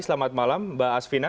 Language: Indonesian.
selamat malam mbak asvina